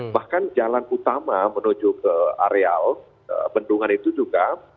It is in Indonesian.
bahkan jalan utama menuju ke areal bendungan itu juga